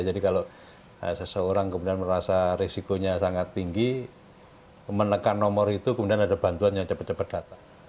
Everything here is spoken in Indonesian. jadi kalau seseorang kemudian merasa risikonya sangat tinggi menekan nomor itu kemudian ada bantuan yang cepat cepat datang